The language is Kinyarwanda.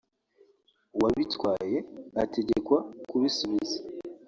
uwabitwaye ategekwa kubisubiza